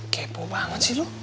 kepo banget sih lo